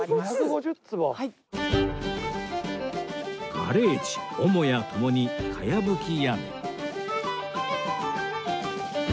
ガレージ母家ともに茅葺屋根